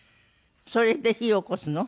それで火起こすの？